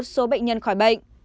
một số bệnh nhân khỏi bệnh